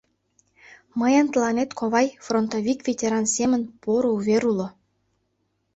Мыйын тыланет, ковай, фронтовик-ветеран семын, поро увер уло.